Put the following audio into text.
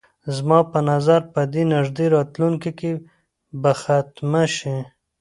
زما په نظر په دې نږدې راتلونکي کې به ختمه شي.